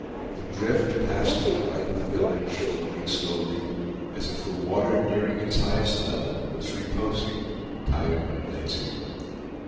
The drift, passed to the right of the village, floating slowly, as if the water, nearing its highest level, was reposing, tired and lazy.